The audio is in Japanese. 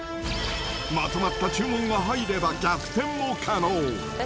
まとまった注文が入れば逆転も可能。